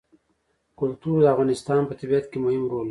کلتور د افغانستان په طبیعت کې مهم رول لري.